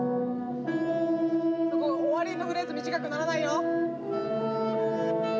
そこ終わりのフレーズ短くならないよ。